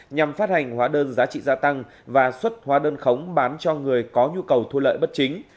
nhằm phát hành hóa đơn giá trị gia tăng và xuất hóa đơn khống bán cho người có nhu cầu thu lợi bất chính